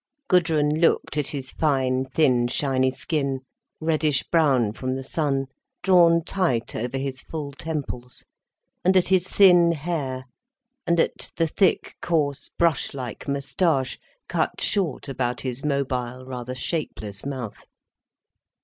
Gudrun looked at his fine, thin, shiny skin, reddish brown from the sun, drawn tight over his full temples; and at his thin hair—and at the thick, coarse, brush like moustache, cut short about his mobile, rather shapeless mouth.